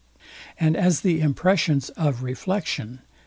And as the impressions of reflexion, viz.